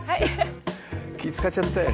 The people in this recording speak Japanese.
「気使っちゃったよ。